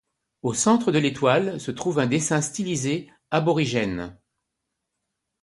Au centre de l'étoile se trouve un dessin stylisé aborigène.